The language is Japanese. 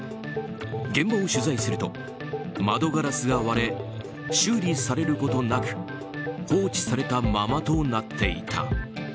現場を取材すると窓ガラスが割れ修理されることなく放置されたままとなっていた。